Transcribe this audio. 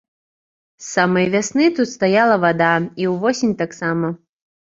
З самай вясны тут стаяла вада, і ўвосень таксама.